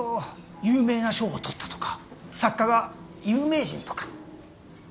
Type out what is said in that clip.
有名な賞を取ったとか作家が有名人とか。